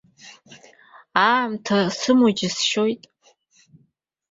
Аамҭа сымоу џьысшьоит.